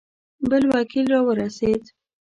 بل وکیل را ورسېد.